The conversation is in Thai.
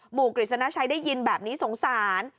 กฤษณชัยได้ยินแบบนี้สงสาร